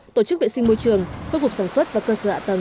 tổ chức vệ sinh môi trường cơ phục sản xuất và cơ sở dạ tầng